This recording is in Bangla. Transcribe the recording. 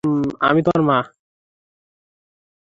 আমি তোমার মা।